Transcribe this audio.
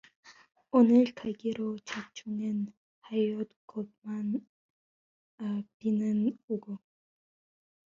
오늘 가기로 작정은 하였건만 비는 오고